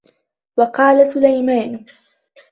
وَقَالَ سُلَيْمَانُ